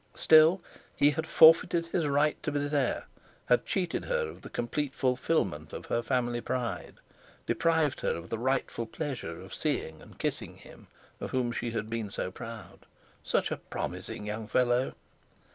Still, he had forfeited his right to be there, had cheated her of the complete fulfilment of her family pride, deprived her of the rightful pleasure of seeing and kissing him of whom she had been so proud, such a promising young fellow!